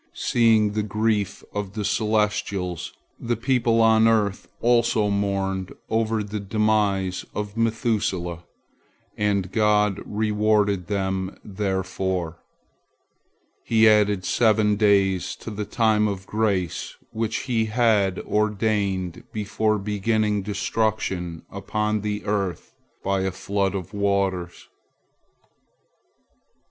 Seeing the grief of the celestials, the people on earth also mourned over the demise of Methuselah, and God rewarded them therefor. He added seven days to the time of grace which He had ordained before bringing destruction upon the earth by a flood of waters.